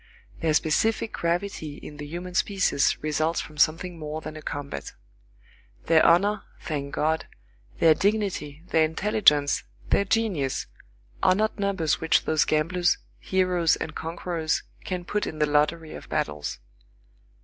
Their specific gravity in the human species results from something more than a combat. Their honor, thank God! their dignity, their intelligence, their genius, are not numbers which those gamblers, heroes and conquerors, can put in the lottery of battles.